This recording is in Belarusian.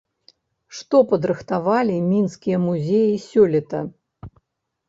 Што падрыхтавалі мінскія музеі сёлета?